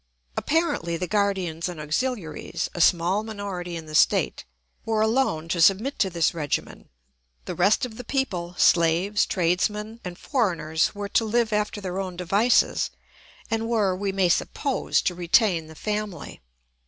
Apparently the guardians and auxiliaries, a small minority in the state, were alone to submit to this regimen: the rest of the people, slaves, tradesmen, and foreigners, were to live after their own devices and were, we may suppose, to retain the family.